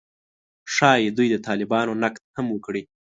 ښايي دوی د طالبانو نقد هم وکړي